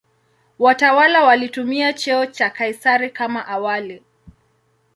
Watawala walitumia cheo cha "Kaisari" kama awali.